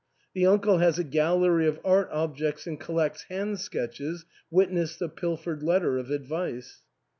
The uncle has a gallery of art objects and collects hand sketches (wit ness the pilfered letter of advice).